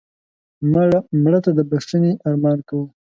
مړه ته د بښنې ارمان کوو